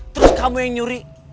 terus kamu yang nyuri